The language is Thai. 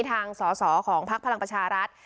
ทางสอสอของพักพลังประชารัฐ